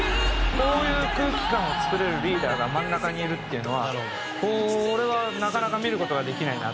こういう空気感を作れるリーダーが真ん中にいるっていうのは俺はなかなか見る事ができないなと思ってて。